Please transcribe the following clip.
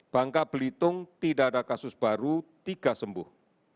bangka belitung tidak ada kasus baru tiga sembuh